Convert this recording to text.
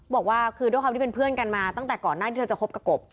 บอกว่าคือด้วยความที่เป็นเพื่อนกันมาตั้งแต่ก่อนหน้าที่เธอจะคบกับกบ